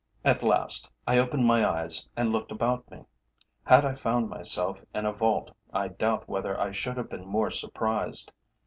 At last I opened my eyes and looked about me. Had I found myself in a vault, I doubt whether I should have been more surprised.